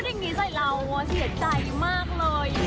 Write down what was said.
คุ้ดอย่างนี้ใส่เราเิดใจมากเลย